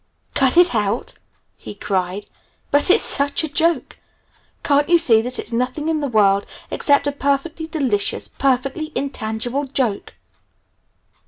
"Cut it out?" he cried. "But it's such a joke! Can't you see that it's nothing in the world except a perfectly delicious, perfectly intangible joke?"